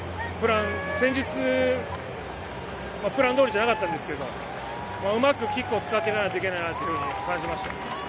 戦術、プランどおりじゃなかったですがうまくキックを使っていかないといけないと感じました。